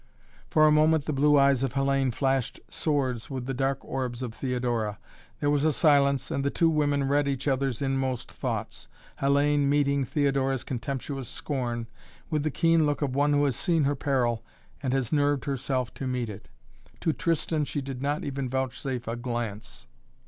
For a moment the blue eyes of Hellayne flashed swords with the dark orbs of Theodora. There was a silence and the two women read each other's inmost thoughts, Hellayne meeting Theodora's contemptuous scorn with the keen look of one who has seen her peril and has nerved herself to meet it. To Tristan she did not even vouchsafe a glance.